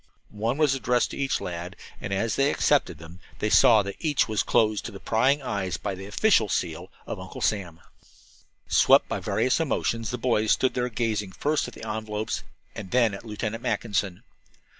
One was addressed to each lad, and as they accepted them they saw that each was closed to prying eyes by the official seal of Uncle Sam. Swept by various emotions, the boys stood there gazing first at the envelopes and then at Lieutenant Mackinson.